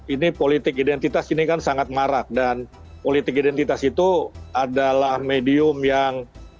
ini politik identitas ini kan sangat marak dan politik identitas itu adalah medium yang